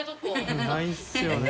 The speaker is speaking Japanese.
ないですよね。